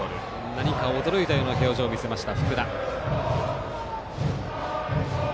何か驚いたような表情を見せた福田。